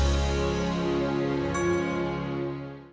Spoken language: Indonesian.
udah uteh hati hati